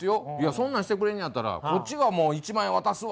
「そんなんしてくれんのやったらこっちがもう１万円渡すわ」